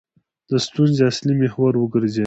د ستونزې اصلي محور وګرځېد.